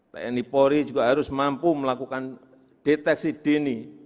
tni polri juga harus mampu melakukan deteksi dini